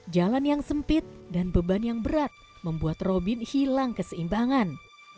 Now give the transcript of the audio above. jalan yang sempit dan beban yang berat membuat robin hilang keseimbangan